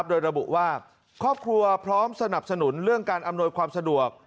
โดยระบุว่าครอบครัวพร้อมสนับสนุนเรื่องการอำนวยความสะดวก